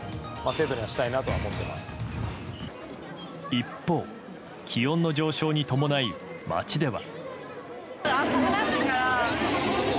一方、気温の上昇に伴い街では。